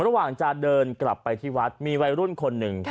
ระหว่างจะเดินกลับไปที่วัดมีวัยรุ่นคนหนึ่ง